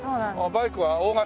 バイクは大型？